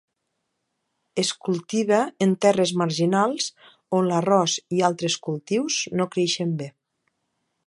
Es cultiva en terres marginals on l'arròs i altres cultius no creixen bé.